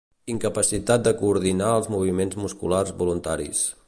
Incapacitat de coordinar els moviments musculars voluntaris.